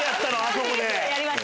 あそこで。